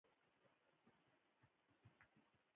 دکاپرګل جنډې په لاس دعرفان لمرته ورځو